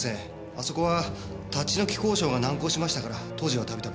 あそこは立ち退き交渉が難航しましたから当時は度々。